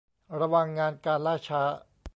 ระวังงานการล่าช้า